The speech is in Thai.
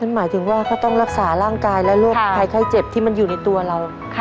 หมายถึงว่าก็ต้องรักษาร่างกายและโรคภัยไข้เจ็บที่มันอยู่ในตัวเรา